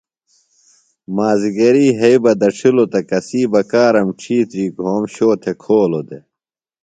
مازِگری یھئ بہ دڇِھلوۡ تہ کسی بکارم ڇِھیتری گھوم شو تھےۡ کھولو دےۡ۔